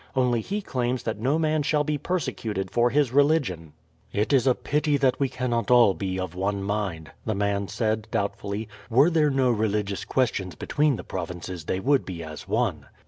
Only he claims that no man shall be persecuted for his religion." "It is a pity that we cannot all be of one mind," the man said doubtfully. "Were there no religious questions between the provinces they would be as one."